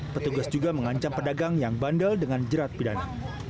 petugas juga mengancam pedagang yang bandel dengan jerat pidana